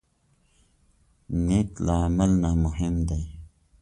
نیت له عمل نه مهم دی.